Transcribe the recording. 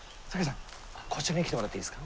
こちらに来てもらっていいですか。